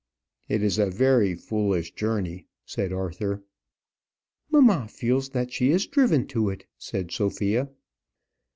"It is a very foolish journey," said Arthur. "Mamma feels that she is driven to it," said Sophia.